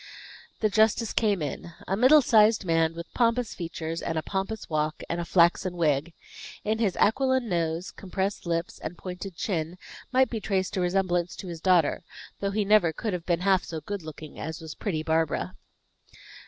The justice came in. A middle sized man, with pompous features, and a pompous walk, and a flaxen wig. In his aquiline nose, compressed lips, and pointed chin, might be traced a resemblance to his daughter; though he never could have been half so good looking as was pretty Barbara.